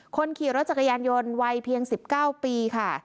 คนขี่รถจักรยานยนต์วัยเพียง๑๙ปีค่ะ